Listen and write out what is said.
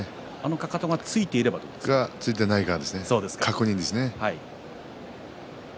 かかとがついているかいないかの確認ですね。